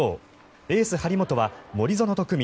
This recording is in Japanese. エース、張本は森薗と組み